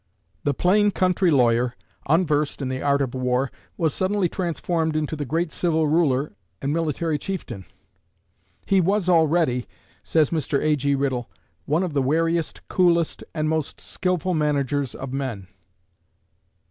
The plain country lawyer, unversed in the art of war, was suddenly transformed into the great civil ruler and military chieftain. "He was already," says Mr. A.G. Riddle, "one of the wariest, coolest, and most skilful managers of men.